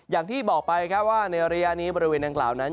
อย่างที่บอกไปครับว่าในระยะนี้บริเวณดังกล่าวนั้น